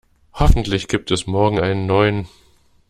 Hoffentlich gibt es morgen einen neuen.